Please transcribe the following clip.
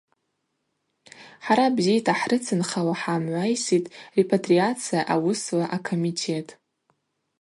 Хӏара бзита хӏрыцынхауа хӏгӏамгӏвайситӏ репатриация ауысла а-Комитет.